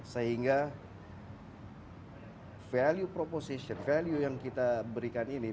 sehingga value proposation value yang kita berikan ini